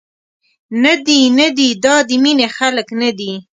ندي، ندي دا د مینې خلک ندي.